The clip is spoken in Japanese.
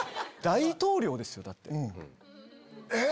大統領ですよだって。